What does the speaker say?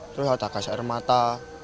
terus ada gas air mata